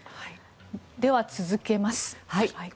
では、続けます。